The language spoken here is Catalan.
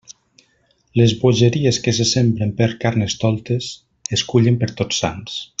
Les bogeries que se sembren per Carnestoltes es cullen per Tots Sants.